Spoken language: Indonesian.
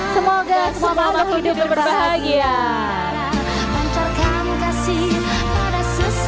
seolah olah hidup berbahagia